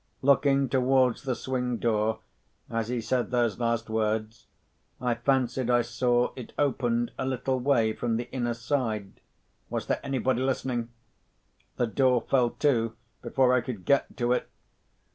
Looking towards the swing door, as he said those last words, I fancied I saw it opened a little way from the inner side. Was there anybody listening? The door fell to, before I could get to it.